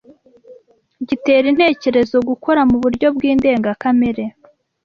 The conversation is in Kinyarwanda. gitera intekerezo gukora mu buryo bw’indengakamere,